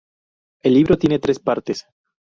El libro tiene tres partes.